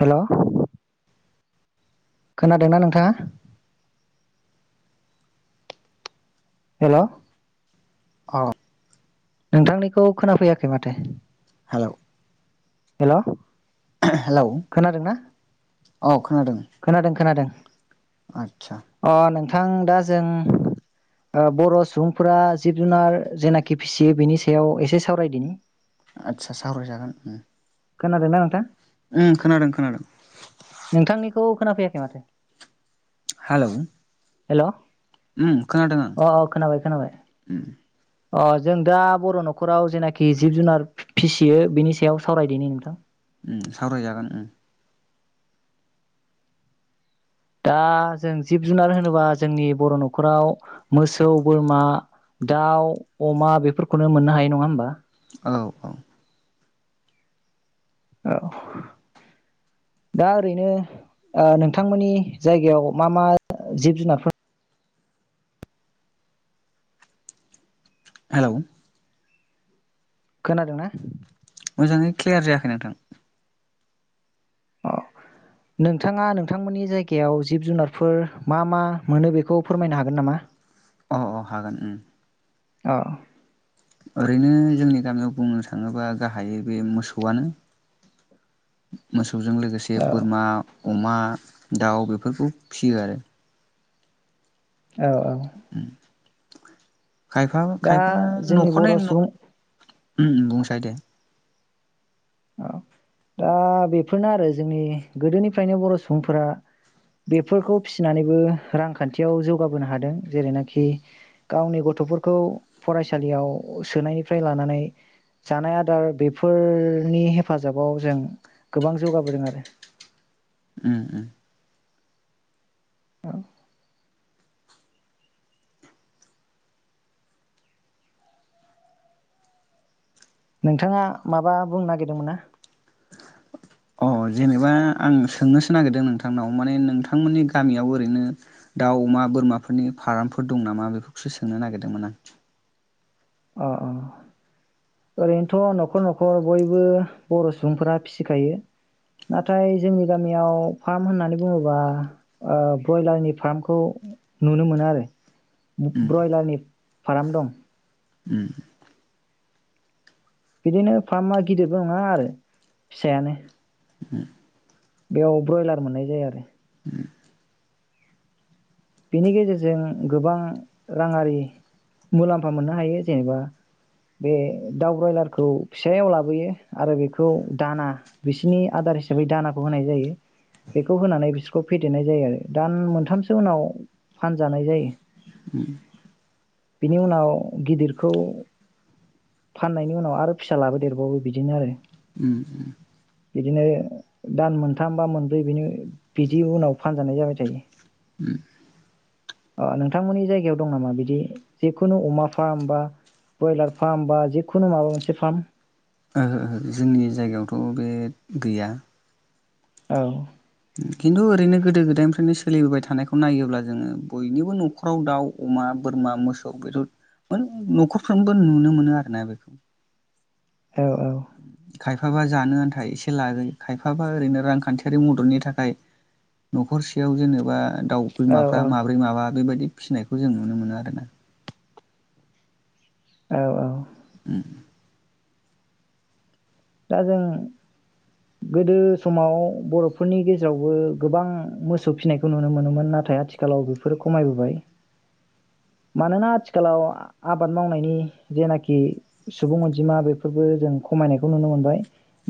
Hello खोनादोंना नोंथाङा? Hello अ नोंथांनिखौ खोनाफैयाखै माथो? हेलौ हेलौ हेलौ औ खोनादों। खोनादों खोनादों आदसा अ नोंथा थां दा जों ओ बर' सुबुंफोरा जिब जुनार जेनाखि फिसियो बिनि सायाव एसे सावरायदिनि आदसा सावरायजागोन उम खोनादोंना नोंथां? उम खोनादों खोनादों। खौ खोना फैयाखै माथो हेलौ हेलौ उम खोनादों आं उम अ जों दा बर' नखराव जेनाखि जिब जुनार फिसियो बिनि सायाव सावरायदिनि नोंथां उम सावरायजागोन उम दा जों जिब जुनार होनोबा जोंनि बर' न'खराव मोसौ बोरमा दाउ अमा बेफोरखौनो मोननो हायो नङा ओमबा? औ औ औ दा ओरैनो ओ नोंथांमोननि जायगायाव मा मा जिब जुनारफोर हेलौ खोनादोंना? [unintelligible] क्लियार जायाखै नोंथां अ नोंथाङा नोंथांमोननि जायगायाव जिब जुनारफोर मा मा मोनो बेखौ फोरमायनो हागोन नामा अ अ हागोन ओ औ ओरैनो जोंनि गामियाव बुंनो थाङोबा गाहाय बे मोसौआनो मोसौ सौजों लोगोसे औ बोरमा अमा दाउ बेफोरखौ फियो आरो औ औ खायफा दा खायफा जोंनि न'खौ नाय बर' न सुबुं ओम बुंसाय दे औ दा बेफोरनो आरो जोंनि गोदोनिफ्रायनो बर' सुबुंफोरा बेफोरखौ फिसिनानैबो रांखान्थियाव जौगाबोनो हादों जेरैनाखि गावनि गथ'फोरखौ फरायसालियाव सोनायनिफ्राय लानानै जानाय आदार बेफोर नि हेफाजाबाव जों गोबां जौगाबोदों आरो ओम ओम औ नोंथाङा माबा बुंनो नागिरदोंमोन ना अ जेनेबा आं सोंनोसो नागिरदों नोंथांनाव माने नोंथांमोननि गामियाव ओरैनो दाउ, अमा, बोरमाफोरनि फार्मफोर दं नामा बेफोरखौसो सोंनो नागिरदोंमोन आं अ अ ओरैनोथ' न'खर न'खर बयबो बर' सुबुंफोरा फिसिखायो नाथाय जोंनि गामियाव फार्म होननानै बुङोबा ओ ब्रयलारनि फार्मखौ नुनो मोनो आरो ब्रयलारनि फार्म दं ओम बिदिनो फार्मा गिदिरबो नङा आरो फिसायानो ओ बेयाव ब्रयलार मोननाय जाया आरो बेनि गेजेरजों गोबां राङारि मुलाम्फा मोननो हायो जेनेबा बे दाउ ब्रयलारखौ फिसायाव लाबोयो आरो बेखौ दाना बिसिनि आदार हिसाबै दानाखौ होनाय जायो बेखौ होनानै बिसोरखौ फेदेरनाय जायो आरो दान मोनथामसो उनाव फानजानाय जायो बिनि उनाव गिदिरखौ फाननायनि उनाव आरो फिसा लाबोदेरबावो बिदिनो आरो ओम ओम बिदिनो दान मोनथाम बा मोनब्रै बिनि बिदि उनाव फानजानाय जाबाय थायो अ नोंथांमोननि जायगायाव दं नामा बिदि जिखुनु अमा फार्म बा ब्रयलार फार्म बा जिखुनु माबा मोनसे फार्म ओहो ओहो जोंनि जायगायावथ' बे गैया औ खिन्थु ओरैनो गोदो-गोदायनिफ्रायनो सोलिबोबाय थानायखौ नायोब्ला जोङो बयनिबो न'खराव दाउ, अमा, बोरमा, मोसौ, बेफोर मोन न'खरफ्रोमबो नुनो मोनो आरोना बेखौ औ औ खायफाबा जानो आन्थाइ एसे लायो खायफाबा ओरैनो रांखान्थियारि मददनि था थाखाय न'खरसेयाव जेनेबा दाउ औ बिमाफ्रा औ माब्रै माबा बेबायदि फिनायखौ जों नुनो मोनो आरो ना औ औ ओम दा जों गोदो समाव बर'फोरनि गेजेरावबो गोबां मोसौ फिनायखौ नुनो मोनोमोन नाथाय आथिखालाव बेफोर खमायबोबाय मानोना आथिखालाव आबाद मावनायनि जेनाखि सुबुं अनजिमा बेफोरबो जों खमायनायखौ खौ नुनो मोनबाय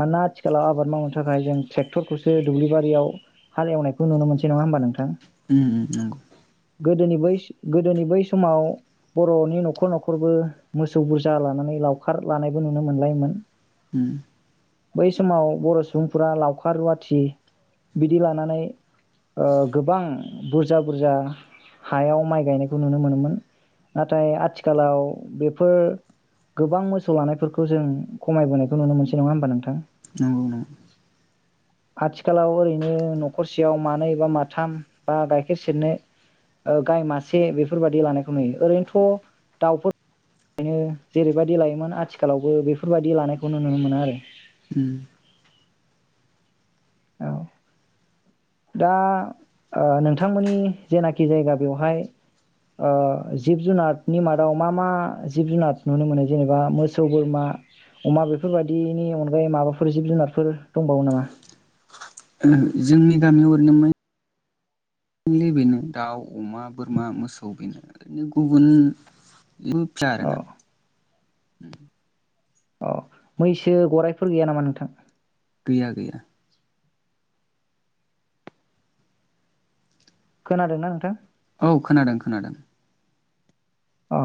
मानोना आथिखालाव आबाद मावनो थाखाय जों ट्रेक्टरखौसो दुब्लिबारियाव हाल एवनायखौ नुनो मोनसै नङा होमबा नोंथां ओम ओम नंगौ गोदोनि बैस गोदोनि बै समाव बर'नि न'खर न'खरबो मोसौ बुरजा लानानै लावखार लानायबो नुनो मोनलायोमोन ओम बै समाव बर' सुबुंफोरा लावखार रुवाथि बिदि लानानै ओ गोबां बुरजा बुरजा हायाव माइ गायनायखौ नुनो मोनोमोन नाथाय आथिखालाव बेफोर गोबां मोसौ लानायफोरखौ जों खमाय बोनायखौ नुनो मोनसै नङा होनबा नोंथां [unintelligible] आथिखालाव ओरैनो न'खरसेयाव मानै बा माथाम बा गाइखेर सेरनो ओ गाय मासे बेफोरबायदि लानायखौ नुयो ओरैनोथ' दाउफोर ओंखायनो जेरैबायदि लायोमोन आथिखालावबो बेफोरबायदि लानायखौ नुनो मोनो आरो। उम। औ। दा ओ नोंथांमोननि जेनाखि जायगा बेवहाय ओ जिब- जुनारनि मादाव मा मा जिब जुनार नुनो मोनो जेनेबा मोसौ, बोरमा, अमा बेफोरबायदिनि अनगायै माबाफोर जिब जुनारफोर दंबावो नामा। ओ जोंनि गामियाव ओरैनोमोन लि बेनो दाउ, अमा, बोरमा, मोसौ बेनो गुबुन अ [unintelligible] [inaudible] अ मैसो गराइफोर गैया नामा नोंथां। गैया गैया। खोनादोंना नोंथां। औ खोनादों खोनादों। अ।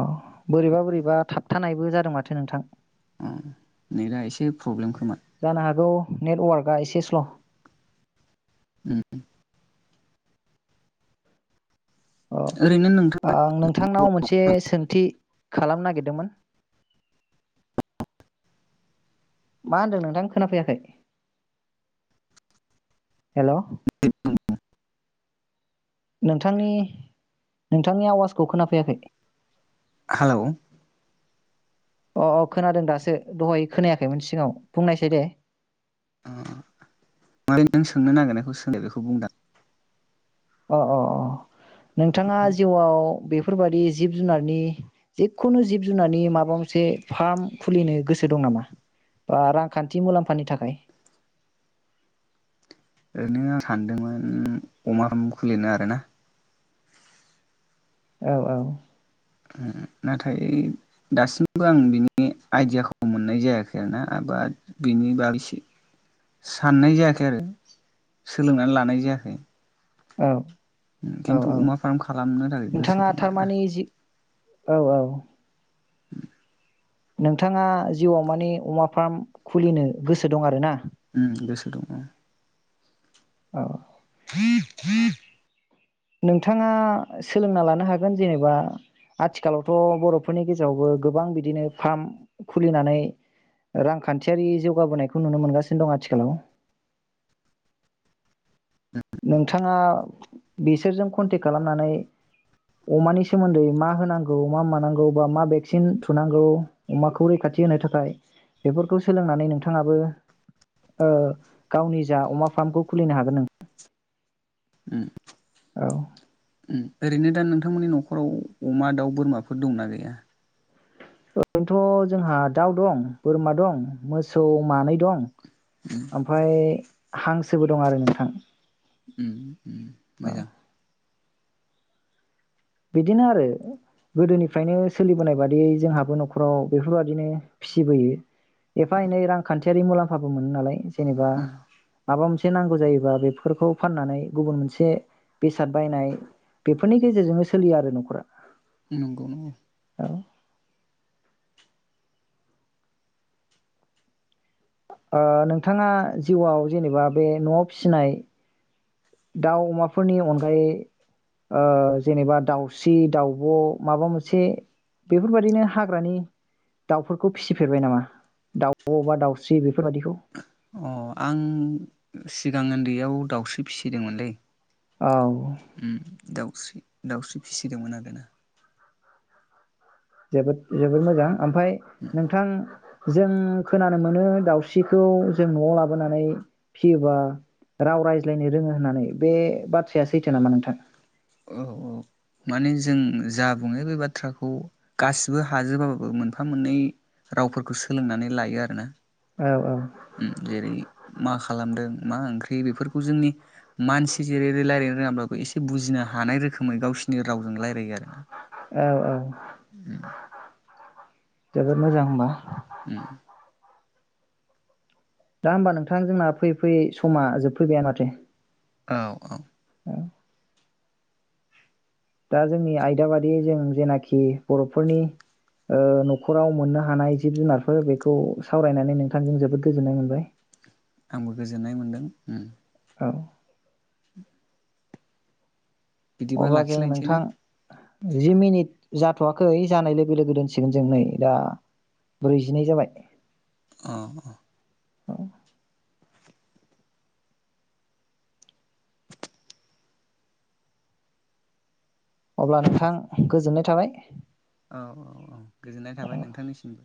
बोरैबा बोरैबा थाबथानाय। बो जादों माथो नोंथां। अ नेटआ एसे प्रब्लेमखोमा। जानो हागौ नेटवार्कआ एसे स्ल'। [unintelligible] अ ओरैनो नोंथां आं नोंथांनाव मोनसे सोंथि खालामनो नागिरदोंमोन। मा होनदों नोंथां खोनाफैयाखै हेलौ। [unintelligible] नोंथांनि नोंथांनि आवाजखौ खोनाफैयाखै। हेलौ। अ अ खोनादों दासो दहाय खोनायाखैमोन सिगाङाव बुंनायसाय दे। माने नों सोंनो नागिरनायखौ सोंदो बेखौ बुंदों आं। अ अ अ। नोंथाङा जिउआव बे। फोरबादि जिब जुनारनि जिखुनु जिब जुनारनि माबा मोनसे फार्म खुलिनो गोसो दं नामा बा रांखान्थि मुलाम्फानि थाखाय। ओरैनो आं सानदोंमोन अमा फार्म खुलिनो आरोना। औ औ। नाथाय दासिमबो आं बिनि आइडियाखौ मोननाय जायाखै आरोना बिनि बागै साननाय जायाखै आरो सोलोंनानै लानाय जायाखै। औ। औ खिन्थु औ अमा फार्म खालामनो थाखाय गोसो नोंथाङा दं आरोना थारमानि जि औ औ। नोंथाङा जिउआव माने अमा फार्म खुलिनो गोसो दं आरो ना। ओम गोसो दङ। औ। नोंथाङा सोलोंना लानो हागोन जेनेबा आथिखालावथ' बर'फोरनि गेजेरावबो गोबां बिदिनो फार्म खुलिनानै रांखान्थियारि जौगाबोनायखौ नुनो मोनगासिनो दं आथिखालाव। नोंथाङा बिसोरजों कन्टेक्ट खालामनानै अमानि सोमोन्दै मा होनांगौ मा मानांगौ बा मा भेक्सिन थुनांगौ अमाखौ रैखाथि होनो थाखाय बेफोरखौ सोलोंनानै नोंथाङाबो ओ गावनि जा अमा फार्मखौ खुलिनो हागोन नों। उम। औ। ओरैनो दा नोंथांमोननि न'खराव अमा दाउ बोरमाफोर दंना गैया। ओरैनोथ' जोंहा दाउ दं बोरमा दं मोसौ मानै दं। ओमफ्राय हांसोबो दं आरो नोंथां। उम उम औ मोजां। बिदिनो आरो गोदोनिफ्रायनो सोलिबोनाय बादियै जोंहाबो न'खराव बेफोरबादिनो फिसिबोयो। एफा एनै रांखान्थि रि मुलाम्फाबो मोनो नालाय। जेनेबा उम माबा मोनसे नांगौ जायोबा बेफोरखौ फाननानै गुबुन मोनसे बेसाद बायनाय बेफोरनि गेजेरजोंनो सो सोलियाआरो न'खरा। नंगौ नंगौ। औ ओ नोंथाङा जिउआव जेनेबा बे न'आव फिसिनाय दाउ अमाफोरनि अनगायै ओ जेनेबा दाउस्रि दाउब' माबा मोनसे बेफोरबायदिनो हाग्रानि दाउफोरखौ फिसिफेरबाय नामा दाउब' बा दाउस्रि बे अ आं सिगां उन्दैयाव दाउस्रि फिसिदोंमोनलै। औ। उम दाउस्रि दाउस्रि फिसिदोंमोन आरोना। जोबोद जोबोद मोजां। ओमफ्राय नोंथां जों खोनानो मोनो दाउस्रिखौ जों न'आव लाबोनानै फियोबा राव रायज्लायनो रोङो होननानै बे बाथ्राया सैथो नामा नोंथां। औ औ माने जों जा बुङो बे बाथ्राखौ गासिबो हाजोबाबाबो मोनफा मोननै रावफोरखौ सोलोंनानै लायो आरोना। औ औ। उम जेरै मा खालामदों मा ओंख्रि बे बेफोरखौ जोंनि मानसि जेरैै रायज्लायनो रोङाब्लाबो एसे बुजिनो हानाय रोखोमै गावसिनि रावजों रायज्लायो आरो ना औ औ उम। जोबोद मोजां होनबा। उम। दा होमबा नोंथां जोंना फैयै-फैयै समा जोबफैबाय माथो। औ औ। औ दा जोंनि आयदा बादि जों जेनाखि बर'फोरनि ओ न'खराव मोननो हानाय जिब जुनारफोर बेखौ सावरायनानै नोंथांजों जोबोद गोजोननाय मोनबाय। आंबो गोजोननाय मोनदों उम। औ। बिदिबा अब्ला जों लाखिलायनोसै ना नोंथां जि मिनिट जाथ'वाखै जानाय लोगो लोगो दोनसिगोन जों नै दा ब्रैजिनै जाबाय। अ अ। औ। अब्ला नोंथां गोजोननाय थाबाय। औ औ औ गोजोननाय थाबाय नोंथांनिसिमबो।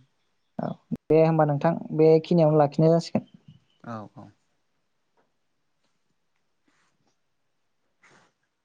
औ। दे होमबा नोंथां बे खिनियावनो लाखिनाय जासिगोन। औ-औ।